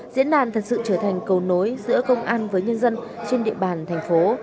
diễn đàn thật sự trở thành cầu nối giữa công an với nhân dân trên địa bàn thành phố